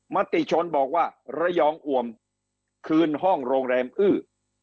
มติชนบอกว่าระยองอวมคืนห้องโรงแรมอื้อ